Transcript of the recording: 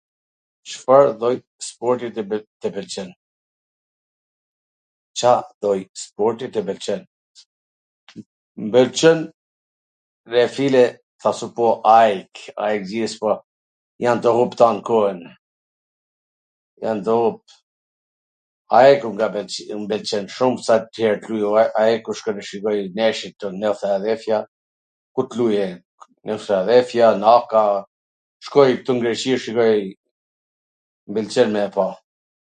Cfar lloj sporti tw pwlqen? Mw pwlqen, ρε φίλε, θα σου πω, AEK, AEKτζής po, AEK-u m ka pwlqy shum sa q... AEK-u shkoj i shikoj neshjet un, nw Filadhelfia, ku t luj ai, nw Filadhelfia, nw OAKA, shkoj ktu n Greqi, shikoj, m pwlqen me e pa.